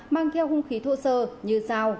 mang theo hung khí thô sơ như sao